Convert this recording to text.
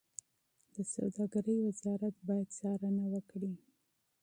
د سوداګرۍ وزارت باید څارنه وکړي.